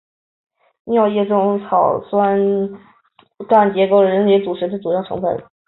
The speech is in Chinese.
尿液中的草酸钙结晶是人类肾结石的主要成分。